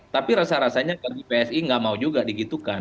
tapi rasa rasanya bagi psi nggak mau juga digitukan